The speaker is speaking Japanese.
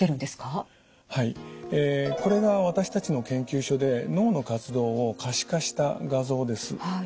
はいこれが私たちの研究所で脳の活動を可視化した画像です。